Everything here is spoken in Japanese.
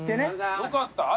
よかった。